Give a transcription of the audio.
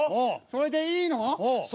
それでいいの？